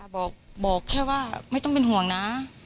บอกแค่ว่าไม่ต้องเป็นห่วงนะ